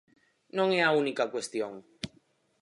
Non é a única cuestión.